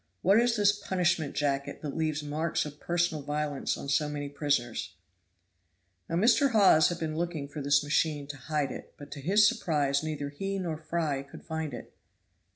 What is this punishment jacket that leaves marks of personal violence on so many prisoners?" Now Hawes had been looking for this machine to hide it, but to his surprise neither he nor Fry could find it.